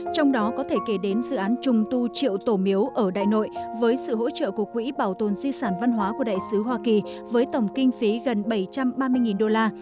trong đó có thể kể đến dự án trùng tu triệu tổ miếu ở đại nội với sự hỗ trợ của quỹ bảo tồn di sản văn hóa của đại sứ hoa kỳ với tổng kinh phí gần bảy trăm ba mươi đô la